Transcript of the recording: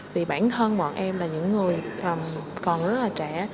vì bản thân bọn em là những người còn rất là trẻ